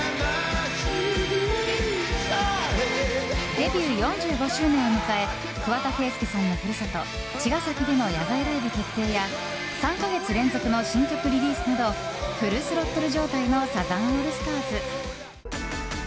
デビュー４５周年を迎え桑田佳祐さんの故郷茅ヶ崎での野外ライブ決定や３か月連続の新曲リリースなどフルスロットル状態のサザンオールスターズ。